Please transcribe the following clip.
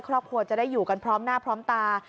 ครอบครัวจะได้อยู่กันพร้อมหน้าพร้อมตา